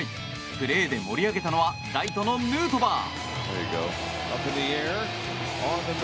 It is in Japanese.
プレーで盛り上げたのはライトのヌートバー。